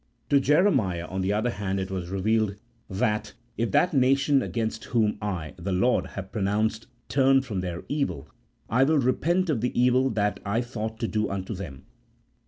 To Jeremiah, on the other hand, it was revealed that, "If that nation against whom I (the Lord) have pro nounced, turn from their evil, I will repent of the evil that I thought to do unto them.